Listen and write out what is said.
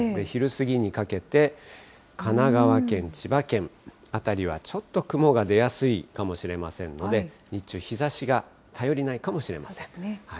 昼過ぎにかけて、神奈川県、千葉県辺りはちょっと雲が出やすいかもしれませんので、日中、日ざしが頼りないかもしれません。